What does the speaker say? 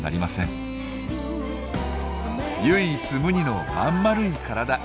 唯一無二のまんまるい体。